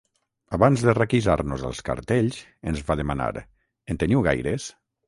Abans de requisar-nos els cartells ens va demanar: “En teniu gaires?”